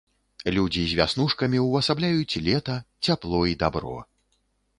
Людзі з вяснушкамі ўвасабляюць лета, цяпло і дабро.